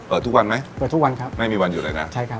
ทุกวันไหมเปิดทุกวันครับไม่มีวันหยุดเลยนะใช่ครับ